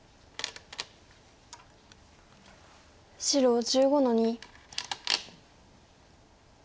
白１５の二。